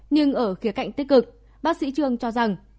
nhưng ở khía cạnh tích cực bác sĩ trương cho rằng